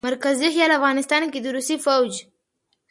مرکزي خيال او افغانستان کښې د روسي فوج